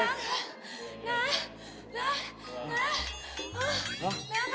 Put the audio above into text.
นะนะนะ